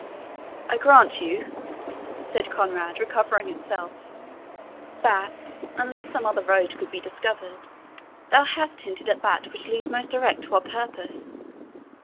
"I grant you," said Conrade, recovering himself, "that unless some other sure road could be discovered thou hast hinted at that which leads most direct to our purpose.